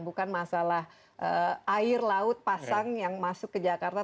bukan masalah air laut pasang yang masuk ke jakarta